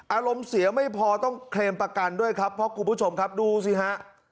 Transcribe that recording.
อารมณ์เสียไม่พอต้องเคลมประกันด้วยครับเพราะคุณผู้ชมครับดูสิฮะ